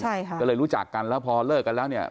ใช่ค่ะก็เลยรู้จักกันแล้วพอเลิกกันแล้วเนี่ย